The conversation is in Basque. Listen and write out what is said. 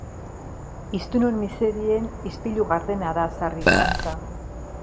Hiztunon miserien ispilu gardena da sarri hizkuntza.